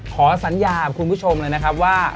ขอสัญญากับคุณผู้ชมเลยนะครับว่า